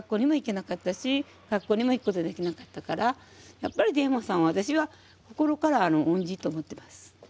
やっぱり伝右衛門さんは私は心から恩人と思ってます。